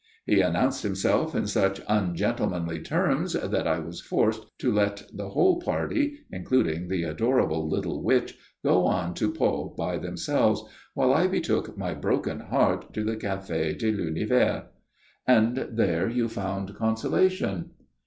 He announced himself in such ungentlemanly terms that I was forced to let the whole party, including the adorable little witch, go on to Pau by themselves, while I betook my broken heart to the Café de l'Univers." "And there you found consolation?"